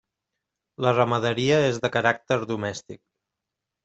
La ramaderia és de caràcter domèstic.